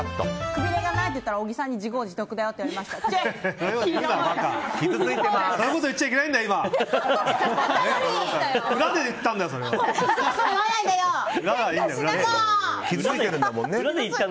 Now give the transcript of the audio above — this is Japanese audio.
くびれがないって言ったら小木さんに自業自得だよって言われました。